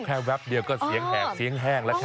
แวบเดียวก็เสียงแหบเสียงแห้งแล้วครับ